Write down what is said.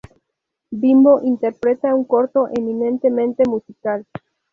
Bimbo interpreta un corto eminentemente musical.